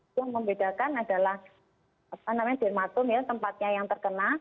yang membedakan adalah apa namanya dermatun ya tempatnya yang terkena